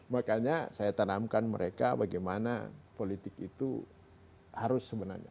makanya saya tanamkan mereka bagaimana politik itu harus sebenarnya